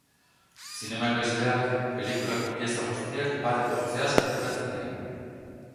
Zinema ekoizleak pelikulako pieza guztiak bat etortzeaz arduratzen dira.